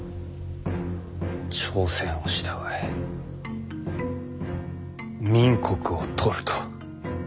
朝鮮を従え明国をとると。